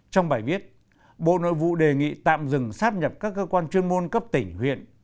trong bài viết bộ nội vụ đề nghị tạm dừng sắp nhập các cơ quan chuyên môn cấp tỉnh huyện